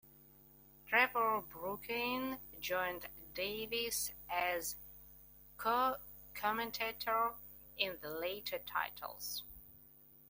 Trevor Brooking joined Davies as co-commentator in the later titles.